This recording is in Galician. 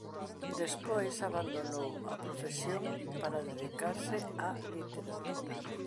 Despois abandonou a profesión para dedicarse á literatura.